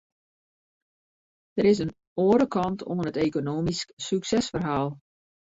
Der is in oare kant oan it ekonomysk suksesferhaal.